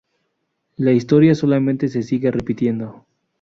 La historia solamente se sigue repitiendo.